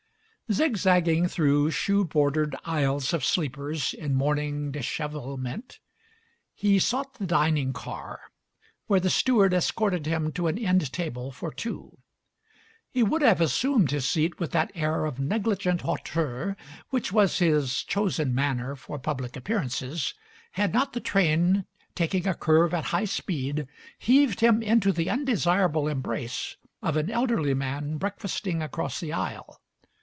Zigzagging through shoe bordered aisles of sleepers in morning disheyelment, he sought the dining car, where the steward escorted him to an end table for two. He would have assumed his seat with that air of negligent hauteur which was his chosen manner for public appearances, had. not the train, taking a curve at high speed, heaved him into the Digitized by Google 182 MARY SMITH undesirable embrace of an elderly man breakfasting across the aisle.